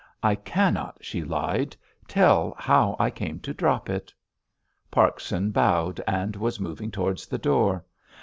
"I cannot," she lied, "tell how I came to drop it!" Parkson bowed, and was moving towards the door.